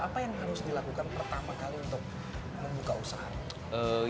apa yang harus dilakukan pertama kali untuk membuka usaha